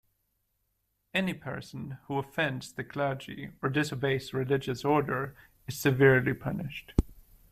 Any person who offends the clergy or disobeys religious order is severely punished.